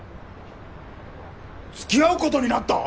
付き合うことになった？